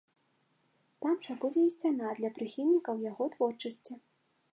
Там жа будзе і сцяна для прыхільнікаў яго творчасці.